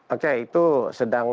oke itu sedang